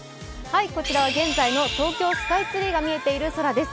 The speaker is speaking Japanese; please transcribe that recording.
こちらは現在の東京スカイツリーが見えている空です。